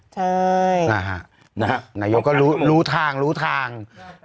ใช่นายก็รู้ทางรู้ทาง